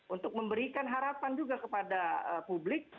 untuk memberikan harapan juga kepada publik